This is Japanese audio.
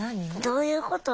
どういうことや？